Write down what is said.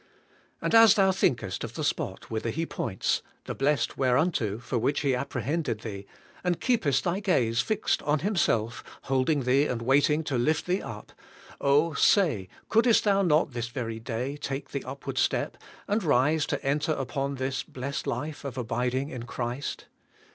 And as thou thinkest of the spot whither He points, — the blessed whereunto for which He apprehended thee, — and keepest thy gaze fixed on Himself, hold ing thee and waiting to lift thee up, say, couldest thou not this very day take the upward step, and rise to enter upon this, blessed life of abiding in Christ?